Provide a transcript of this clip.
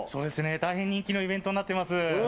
大変人気のイベントになっています。